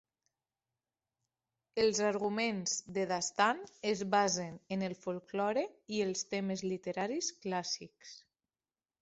Els arguments de Dastan es basen en el folklore i els temes literaris clàssics.